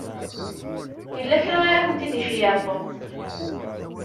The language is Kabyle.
Yella kra i akent-id-iceyyeɛ Tom.